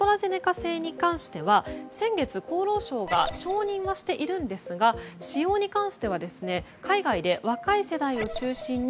製に関しては先月、厚労省が承認はしているんですが使用に関しては海外で若い世代を中心に